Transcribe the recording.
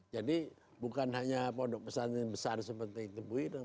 jadi bukan hanya produk pesan yang besar seperti itu bu iden